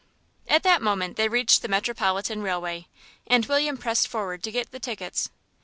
At that moment they reached the Metropolitan Railway, and William pressed forward to get the tickets.